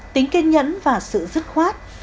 tính kiên nhẫn và sự dứt khoát